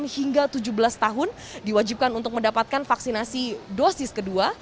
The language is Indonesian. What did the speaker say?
enam hingga tujuh belas tahun diwajibkan untuk mendapatkan vaksinasi dosis kedua